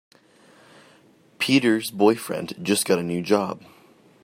Peter's boyfriend just got a new job.